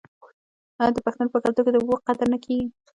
آیا د پښتنو په کلتور کې د اوبو قدر نه کیږي؟